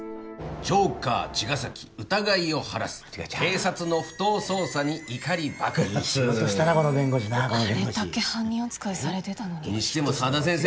「ジョーカー茅ヶ崎疑いを晴らす」「警察の不当捜査に怒り爆発」いい仕事したなこの弁護士なあれだけ犯人扱いされてたのににしても佐田先生